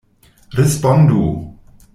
Respondu!